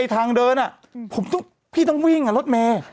ไอ้ทางเดินอะพี่ต้องวิ่งอะรถแม่